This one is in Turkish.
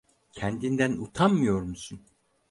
Kendinden utanmıyor musun?